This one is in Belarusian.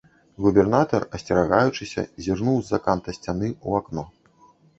Губернатар, асцерагаючыся, зірнуў з-за канта сцяны ў акно.